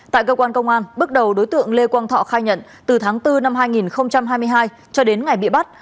tại cơ quan công an bước đầu đối tượng lê quang thọ khai nhận từ tháng bốn năm hai nghìn hai mươi hai cho đến ngày bị bắt